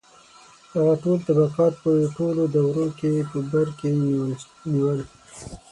• هغه ټول طبقات په ټولو دورو کې په بر کې نیول.